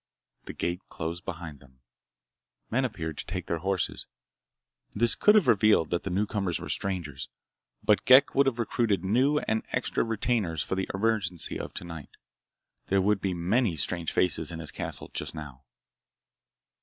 The gate closed behind them. Men appeared to take their horses. This could have revealed that the newcomers were strangers, but Ghek would have recruited new and extra retainers for the emergency of tonight. There would be many strange faces in his castle just now.